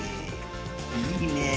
いいねぇ。